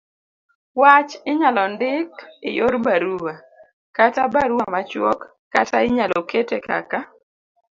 wach Inyalo ndik e yor barua ,kata barua machuok, kata inyalo kete kaka